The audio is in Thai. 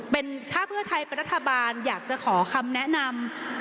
เป็นถ้าเพื่อไทยเป็นรัฐบาลอยากจะขอคำแนะนำ